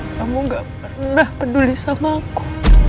kamu gak pernah peduli sama aku